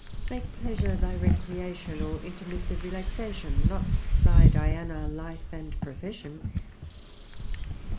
Make pleasure thy recreation or intermissive relaxation, not thy Diana, life, and profession.